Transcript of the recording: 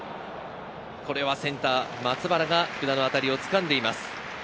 これはセンター・松原が福田の当たりを掴んでいます。